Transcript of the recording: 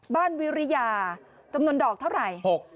๑๓๐บ้านวิริยาจำนวนดอกเท่าไหร่